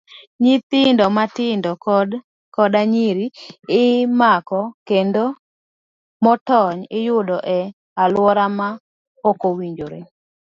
Nyithindo matindo koda nyiri imako kendo motony, iyudo e aluora ma okowinjore.